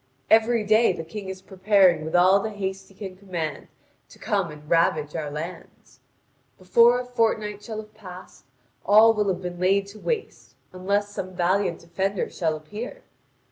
Every day the King is preparing with all the haste he can command to come to ravage our lands. Before a fortnight shall have passed, all will have been laid waste, unless some valiant defender shall appear.